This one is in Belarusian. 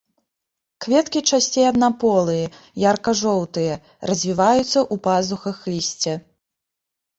Кветкі часцей аднаполыя, ярка-жоўтыя, развіваюцца ў пазухах лісця.